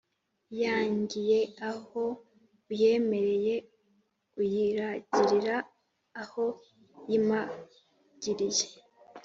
Iyangiye aho uyemereye, uyiragirira aho yamagiriye